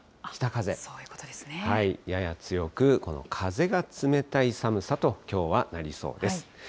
やや強く、この風が冷たい寒さときょうはなりそうです。